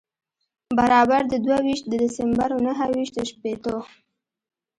برابر د دوه ویشت د دسمبر و نهه ویشت و شپېتو.